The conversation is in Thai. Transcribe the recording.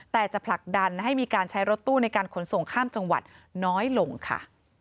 แต่จะผลักดันให้มีการใช้รถตู้ในการขนส่งข้ามจังหวัดน้อยลงค่ะ